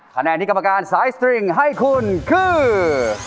คะแนนที่กรรมการสายสตริงให้คุณคือ